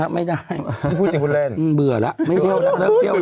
ไม่ได้พูดจริงพูดเล่นเบื่อแล้วไม่เที่ยวแล้ว